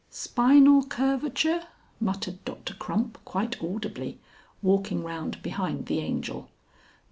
"Spinal curvature?" muttered Doctor Crump quite audibly, walking round behind the Angel.